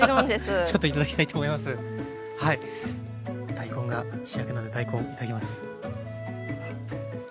大根が主役なので大根いただきます。